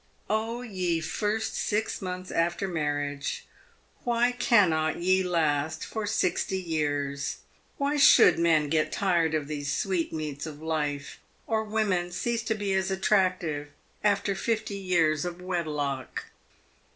Oh, ye first six months after marriage ! Why cannot ye last for sixty years! Why should men get tired of these sweet meats of life, or women cease to be as attractive after fifty years of wedlock